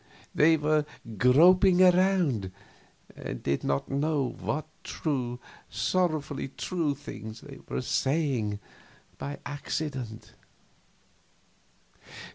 They were "groping around," and did not know what true, sorrowfully true things they were saying by accident.